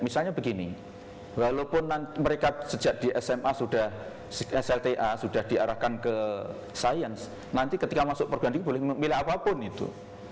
misalnya begini walaupun mereka sejak di sma sudah slta sudah diarahkan ke sains nanti ketika masuk pergantian boleh memilih apapun itu